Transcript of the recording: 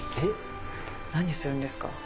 何するんですか？